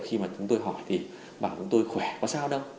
khi mà chúng tôi hỏi thì bảo chúng tôi khỏe có sao đâu